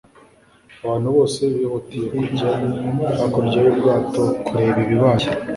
abantu bose bihutiye kujya hakurya y'ubwato kureba ibibaye